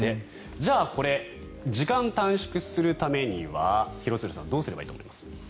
じゃあ、これ時間短縮するためには廣津留さんどうすればいいと思いますか？